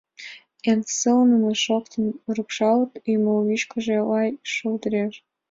Эн сылныжым шоктын, Рӱпшалт кумыл вӱчкышӧ лай шулдыреш.